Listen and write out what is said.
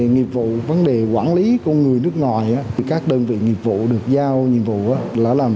nghiệp vụ vấn đề quản lý của người nước ngoài các đơn vị nghiệp vụ được giao nhiệm vụ là